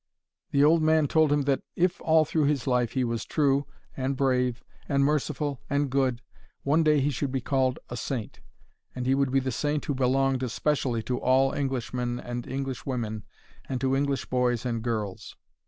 The old man told him that if, all through his life, he was true, and brave, and merciful and good, one day he should be called a saint. And he would be the saint who belonged especially to all Englishmen and Englishwomen, and to English boys and girls.